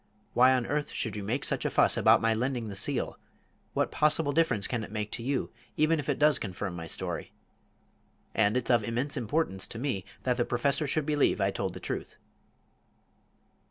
Why on earth should you make such a fuss about my lending the seal; what possible difference can it make to you even if it does confirm my story? And it's of immense importance to me that the Professor should believe I told the truth."